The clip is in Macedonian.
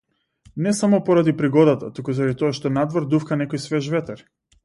Не само поради пригодата, туку заради тоа што надвор дувка некој свеж ветер.